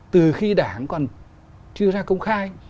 từ khi đảng còn chưa ra công khai